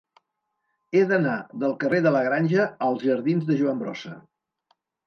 He d'anar del carrer de la Granja als jardins de Joan Brossa.